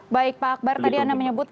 baik pak akbar tadi anda menyebut